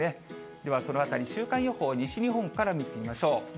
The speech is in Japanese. ではそのあたり、週間予報、西日本から見てみましょう。